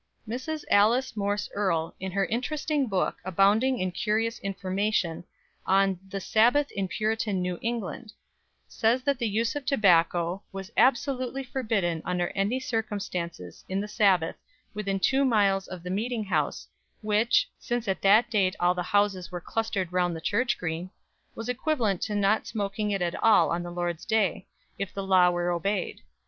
Mrs. Alice Morse Earle, in her interesting book, abounding in curious information, on "The Sabbath in Puritan New England," says that the use of tobacco "was absolutely forbidden under any circumstances on the Sabbath within two miles of the meeting house, which (since at that date all the houses were clustered round the church green) was equivalent to not smoking it at all on the Lord's Day, if the law were obeyed.